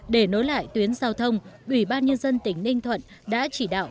để nối lại tuyến giao thông ủy ban nhân dân tỉnh ninh thuận đã chỉ đạo